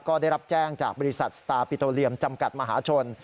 ก็ได้รับแจ้งจากบริษัทสตาร์ปิโตเรียมจำกัดมหาชน